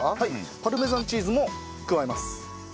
パルメザンチーズも加えます。